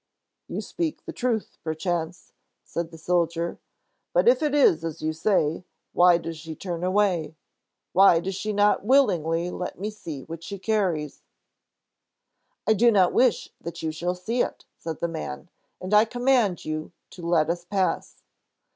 "You speak the truth, perchance," said the soldier, "but if it is as you say, why does she turn away? Why does she not willingly let me see what she carries?" "I do not wish that you shall see it," said the man, "and I command you to let us pass!"